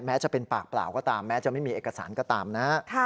แม้จะเป็นปากเปล่าก็ตามแม้จะไม่มีเอกสารก็ตามนะฮะ